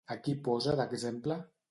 A qui posa d'exemple?